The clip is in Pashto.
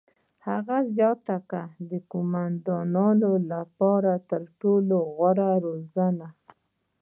هغې زیاته کړه: "د قوماندان لپاره تر ټولو غوره روزنه.